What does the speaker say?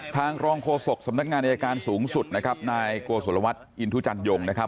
ทางรองโฆษกสำนักงานอายการสูงสุดนะครับนายโกศลวัฒน์อินทุจันยงนะครับ